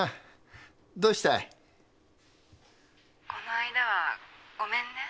この間はごめんね。